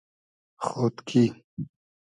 خۉدکی